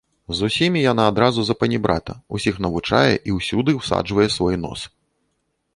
З усімі яна адразу запанібрата, усіх навучае і ўсюды ўсаджвае свой нос.